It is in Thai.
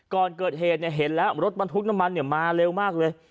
ก่อนเกิดเหตุเห็นแล้วรถบรรทุกน้ำมันมาเร็วมากเลย